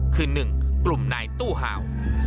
คือ๑กลุ่มนายตู้ห่าว